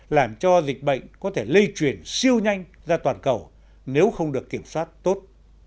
làm cho dịch bệnh có thể lây truyền siêu nhanh ra toàn cầu nếu không được kiểm soát tốt